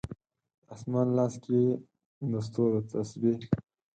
د اسمان لاس کې یې د ستورو تسبې